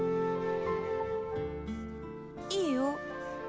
いいよ。